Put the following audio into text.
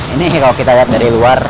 ini kalau kita lihat dari luar